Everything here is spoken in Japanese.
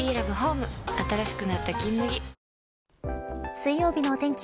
水曜日のお天気